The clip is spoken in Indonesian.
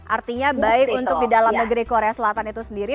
artinya baik untuk di dalam negeri korea selatan itu sendiri